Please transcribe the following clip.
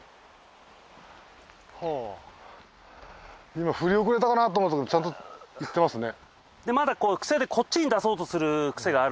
今振り遅れたかなと思ったけどちゃんと行ってますね。